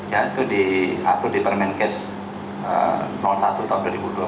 ya itu diatur di permenkes satu tahun dua ribu dua puluh